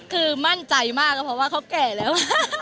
คือมั่นใจมากก็เพราะว่าเขาแก่แล้ว